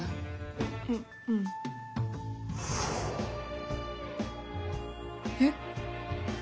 ううん。えっ？